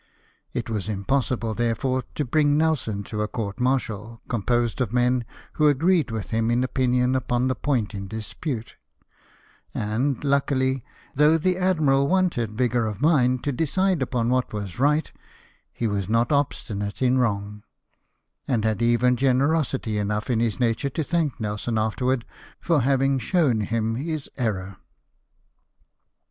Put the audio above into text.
It was impossible, therefore, to bring Nelson to a court martial com posed of men who agreed with him in opinion upon the point in dispute ; and, luckily, though the admiral wanted vigour of mind to decide upon what was right, he was not obstinate in wrong, and had even generosity enough in his nature to thank Nelson afterwards for having shown him his error.